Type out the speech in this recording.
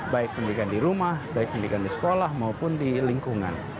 baik pendidikan di rumah baik pendidikan di sekolah maupun di lingkungan